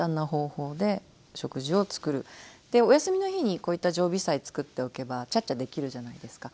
お休みの日にこういった常備菜作っておけばちゃっちゃできるじゃないですか。